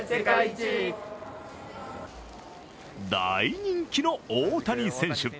大人気の大谷選手。